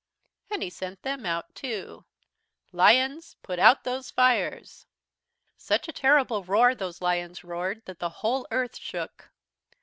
"And he sent them out too. "'Lions, put out those fires!' "Such a terrible roar those lions roared that the whole Earth shook.